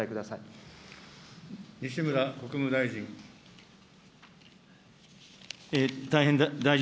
西村国務大臣。